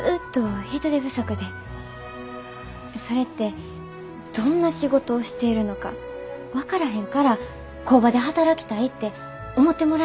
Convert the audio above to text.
それってどんな仕事をしているのか分からへんから工場で働きたいって思ってもらえないんやと思います。